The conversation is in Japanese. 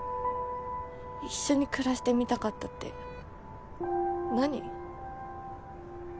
一緒に暮らしてみたかったって何？